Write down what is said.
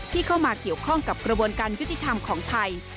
เข้ามาเกี่ยวข้องกับกระบวนการยุติธรรมของไทย